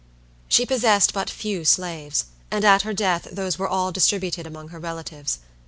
She possessed but few slaves; and at her death those were all distributed among her relatives.